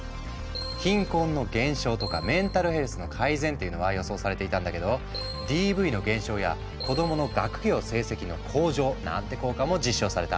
貧困の減少とかメンタルヘルスの改善っていうのは予想されていたんだけどＤＶの減少や子どもの学業成績の向上なんて効果も実証された。